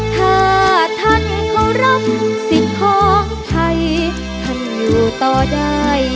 ถ้าท่านเค้ารับสิทธิ์ของไทย